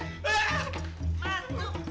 masuk masuk lo